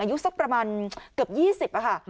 อายุสักประมาณเกือบ๒๐ค่ะ